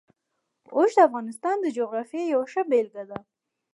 اوښ د افغانستان د جغرافیې یوه ښه بېلګه ده.